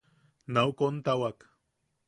Nau kontawak.